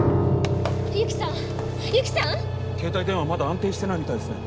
携帯電話まだ安定してないみたいですね。